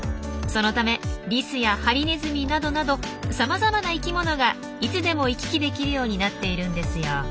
そのためリスやハリネズミなどなどさまざまな生きものがいつでも行き来できるようになっているんですよ。